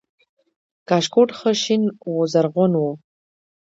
کاشکوټ ښه شین و زرغون و